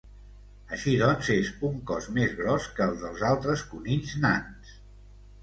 Així doncs, és un cos més gros que el dels altres conills nans.